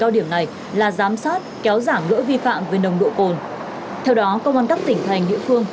điểm này là giám sát kéo giả ngỡ vi phạm về nồng độ cồn theo đó công an các tỉnh thành địa phương